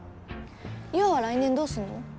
優愛は来年どうすんの？